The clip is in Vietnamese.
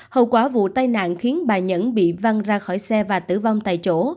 hậu quả vụ tai nạn khiến bà nhẫn bị văng ra khỏi xe và tử vong tại chỗ